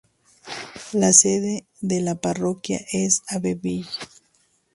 La sede de la parroquia es Abbeville.